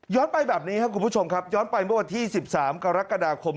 ไปแบบนี้ครับคุณผู้ชมครับย้อนไปเมื่อวันที่๑๓กรกฎาคม